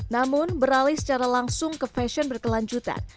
namun beralih secara langsung ke fashion berkelanjutan